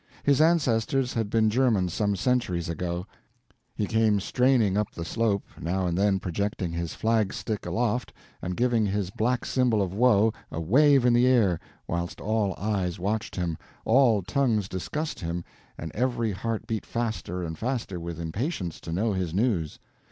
His ancestors had been Germans some centuries ago. He came straining up the slope, now and then projecting his flag stick aloft and giving his black symbol of woe a wave in the air, whilst all eyes watched him, all tongues discussed him, and every heart beat faster and faster with impatience to know his news.